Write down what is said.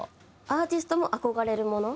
アーティストも憧れるもの。